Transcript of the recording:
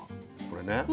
これね。